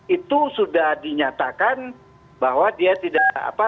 itu sudah dinyatakan bahwa dia tidak